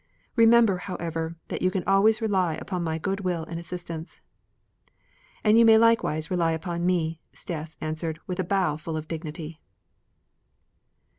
Remember, however, that you can always rely upon my good will and assistance." "And you may likewise rely upon me," Stas answered with a bow full of dignity.